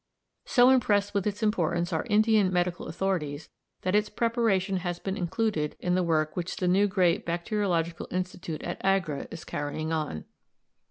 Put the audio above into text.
So impressed with its importance are Indian medical authorities, that its preparation has been included in the work which the new great bacteriological institute at Agra is carrying on.